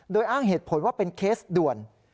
โดยอ้างเหตุผลว่าเป็นเคสด่วน